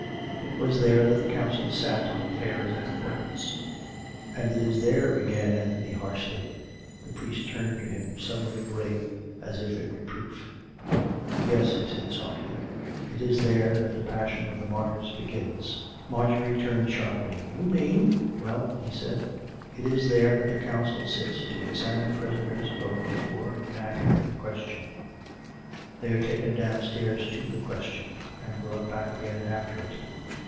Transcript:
It was there that the Council sat on affairs of importance. " And it is there " began Anthony harshly. The priest turned to him, suddenly grave, as if in re proof. " Yes," he said softly. " It is there that the passion of the martyrs begins." Marjorie turned sharply. " You mean "" Well," he said, " it is there that the Council sits to ex amine prisoners both before and after the Question. They are taken downstairs to the Question, and brought back again after it.